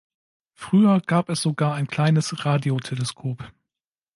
Früher gab es sogar ein kleines Radioteleskop.